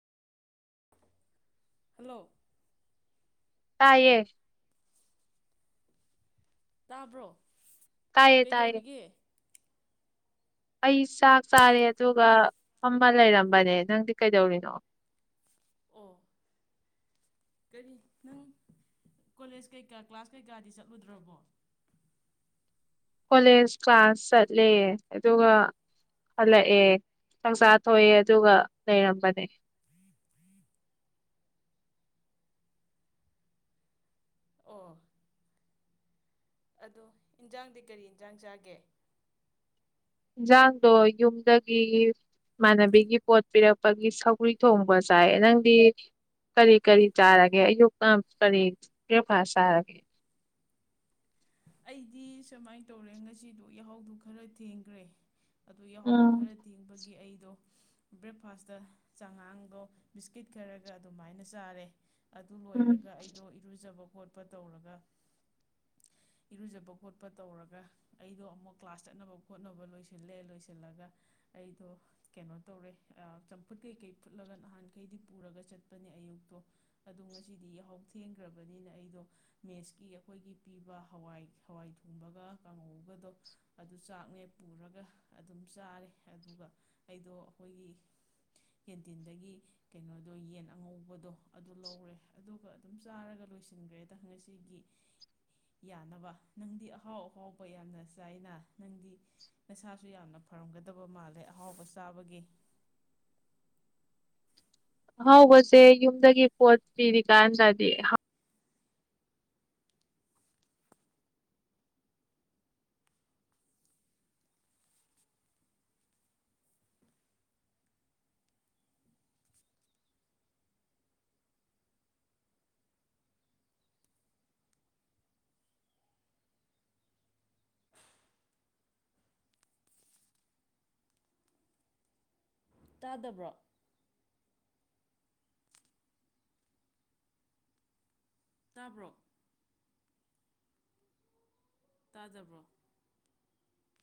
hello ꯇꯥꯢꯌꯦ ꯇꯥꯕ꯭ꯔꯣ ꯇꯥꯏꯌꯦ ꯇꯥꯏꯌꯦ ꯀꯩꯗꯧꯔꯤꯒꯦ ꯑꯩ ꯆꯥꯛ ꯆꯥꯔꯦ ꯑꯗꯨꯒ ꯐꯝꯃ ꯂꯩꯔꯝꯕꯅꯦ ꯅꯪꯗꯤ ꯀꯩꯗꯧꯔꯤꯅꯣ ꯑꯣ ꯀꯔꯤ ꯅꯪ ꯀꯣꯂꯦꯖ ꯀꯩꯀꯥ ꯀ꯭ꯂꯥꯁ ꯀꯩꯀꯥꯗꯤ ꯆꯠꯂꯨꯗ꯭ꯔꯕꯣ ꯀꯣꯂꯦꯖ ꯀ꯭ꯂꯥꯁ ꯆꯠꯂꯦ ꯑꯗꯨꯒ ꯍꯜꯂꯛꯑꯦ ꯆꯥꯛ ꯆꯥꯊꯣꯛꯑꯦ ꯑꯗꯨꯒ ꯂꯩꯔꯝꯕꯅꯦ ꯑꯣ ꯑꯗꯣ ꯏꯟꯖꯥꯡꯗꯤ ꯀꯔꯤ ꯏꯟꯖꯥꯡ ꯆꯥꯒꯦ ꯏꯟꯖꯥꯡꯗꯣ ꯌꯨꯝꯗꯒꯤ ꯏꯃꯥꯟꯅꯕꯤꯒꯤ ꯄꯣꯠ ꯄꯤꯔꯛꯄꯒꯤ ꯁꯧꯒ꯭ꯔꯤ ꯊꯣꯡꯕ ꯆꯥꯢꯌꯦ ꯅꯪꯗꯤ ꯀꯔꯤ ꯀꯔꯤ ꯆꯥꯔꯒꯦ ꯑꯌꯨꯛꯅ ꯀꯔꯤ ꯕ꯭ꯔꯦꯛꯐꯥꯁ ꯆꯥꯔꯒꯦ ꯑꯩꯗꯤ ꯁꯨꯝꯃꯥꯢ ꯇꯧꯔꯦ ꯉꯁꯤꯗꯤ ꯌꯥꯍꯧꯗꯨ ꯈꯔ ꯊꯦꯡꯈ꯭ꯔꯦ ꯑꯗꯣ ꯌꯥꯍꯧꯗꯣ ꯎꯝ ꯈꯔ ꯊꯦꯡꯕꯒꯤ ꯑꯩ ꯑꯗꯣ ꯕ꯭ꯔꯦꯛꯐꯥꯁ ꯇ ꯆꯉꯥꯡꯗꯣ ꯕꯤꯁꯀ꯭ꯌꯨꯠ ꯈꯔꯒ ꯑꯗꯨꯃꯥꯢꯅ ꯆꯥꯔꯦ ꯑꯗꯨ ꯎꯝ ꯂꯣꯢꯔꯒ ꯑꯩꯗꯣ ꯏꯔꯨꯖꯕ ꯈꯣꯠꯄ ꯇꯧꯔꯒ ꯏꯔꯨꯖꯕ ꯈꯣꯠꯄ ꯇꯧꯔꯒ ꯑꯩꯗꯣ ꯑꯃꯨꯛ ꯀ꯭ꯂꯥꯁ ꯆꯠꯅꯕ ꯈꯣꯠꯅꯕ ꯂꯣꯢꯁꯤꯜꯂꯦ ꯂꯣꯢꯁꯤꯜꯂꯒ ꯑꯩꯗꯣ ꯀꯩꯅꯣ ꯇꯧꯔꯦ ꯑꯥ ꯆꯝꯐꯨꯠ ꯀꯩꯀꯩ ꯐꯨꯠꯂꯒ ꯉꯍꯥꯟꯈꯩꯗꯤ ꯄꯨꯔꯒ ꯆꯠꯄꯅꯦ ꯑꯌꯨꯛꯇꯣ ꯑꯗꯣ ꯉꯁꯤꯗꯤ ꯌꯥꯍꯧ ꯊꯦꯡꯈ꯭ꯔꯕꯅꯤꯅ ꯑꯩꯗꯣ ꯃꯦꯁꯀꯤ ꯑꯩꯈꯣꯢꯒꯤ ꯄꯤꯕ ꯄꯤꯕꯗꯣ ꯍꯋꯥꯢ ꯍꯋꯥꯢ ꯊꯣꯡꯕꯒ ꯀꯪꯍꯧꯒꯗꯣ ꯑꯗꯨ ꯆꯥꯛꯅꯦ ꯄꯨꯔꯒ ꯑꯗꯨꯝ ꯆꯥꯔꯦ ꯑꯗꯨꯒ ꯑꯩꯗꯣ ꯑꯩꯈꯣꯢꯒꯤ ꯀꯦꯟꯇꯤꯟꯗꯒꯤ ꯀꯩꯅꯣꯗꯣ ꯌꯦꯟ ꯑꯉꯧꯕꯗꯣ ꯑꯗꯨ ꯂꯧꯔꯦ ꯑꯗꯨꯒ ꯑꯗꯨꯝ ꯆꯥꯔꯒ ꯂꯣꯢꯁꯤꯟꯈ꯭ꯔꯦꯗ ꯉꯁꯤꯒꯤ ꯌꯥꯅꯕ ꯅꯪꯗꯤ ꯑꯍꯥꯎ ꯑꯍꯥꯎꯕ ꯌꯥꯝꯅ ꯆꯥꯢꯅ ꯅꯪꯗꯤ ꯅꯁꯥꯁꯨ ꯌꯥꯝꯅ ꯐ ꯐꯔꯝꯒꯗꯕ ꯃꯥꯜꯂꯦ ꯑꯍꯥꯎꯕ ꯆꯥꯕꯒꯤ ꯑꯍꯥꯎꯕꯁꯦ ꯌꯨꯝꯗꯒꯤ ꯄꯣꯠ ꯄꯤꯔꯤꯀꯥꯟꯗꯗꯤ ꯍꯥꯎ ꯇꯥꯗꯕ꯭ꯔꯣ ꯇꯥꯕ꯭ꯔꯣ ꯇꯥꯗꯕ꯭ꯔꯣ